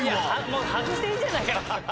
もう外していいんじゃないかな。